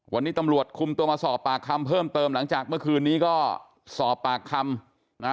วันนี้ตำรวจคุมตัวมาสอบปากคำเพิ่มเติมหลังจากเมื่อคืนนี้ก็สอบปากคำนะฮะ